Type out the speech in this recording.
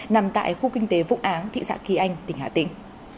nằm tại khu kinh tế vụ áng thị xã kỳ anh tỉnh hà tĩnh